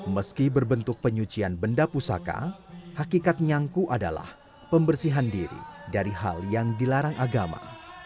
meski berbentuk penyucian benda pusaka hakikat nyangku adalah pembersihan diri dari hal yang dilarang agama